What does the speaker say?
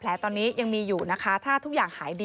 แล้วตอนนี้ศาลให้ประกันตัวออกมาแล้ว